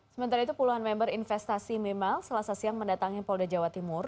sementara itu puluhan member investasi memile selasa siang mendatangi polda jawa timur